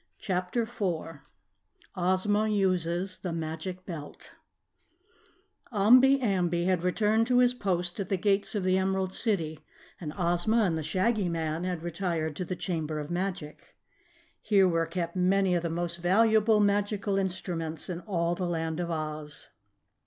CHAPTER 4 Ozma Uses the Magic Belt Omby Amby had returned to his post at the Gates of the Emerald City and Ozma and the Shaggy Man had retired to the Chamber of Magic. Here were kept many of the most valuable magical instruments in all the Land of Oz.